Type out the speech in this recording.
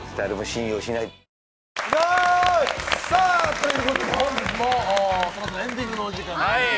ということで本日もそろそろエンディングのお時間です。